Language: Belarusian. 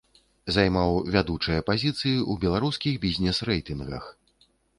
Займаў вядучыя пазіцыі ў беларускіх бізнес-рэйтынгах.